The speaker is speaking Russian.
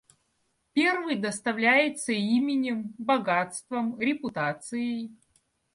Первый доставляется именем, богатством, репутацией.